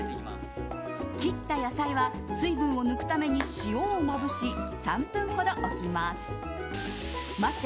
切った野菜は水分を抜くために塩をまぶし３分ほど置きます。